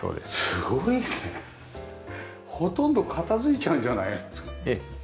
すごいね。ほとんど片付いちゃうんじゃない？ええ。